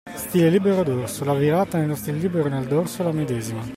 Stile libero e Dorso: la virata nello stile libero e nel dorso è la medesima.